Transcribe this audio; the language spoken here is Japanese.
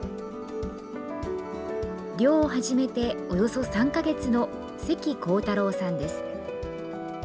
猟を始めておよそ３か月の関弘太郎さんです。